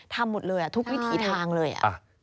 ทำหมดเลยทุกวิถีทางเลย